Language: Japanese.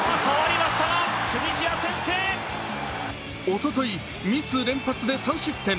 おととい、ミス連発で３失点。